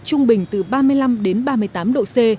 trung bình từ ba mươi năm đến ba mươi tám độ c